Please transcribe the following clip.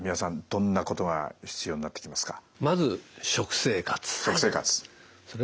どんなことが必要になってきますか？